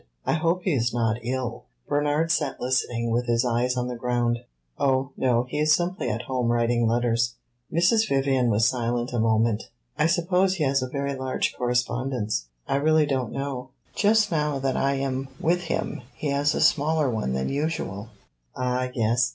I hope he is not ill." Bernard sat listening, with his eyes on the ground. "Oh no, he is simply at home writing letters." Mrs. Vivian was silent a moment. "I suppose he has a very large correspondence." "I really don't know. Just now that I am with him he has a smaller one than usual." "Ah yes.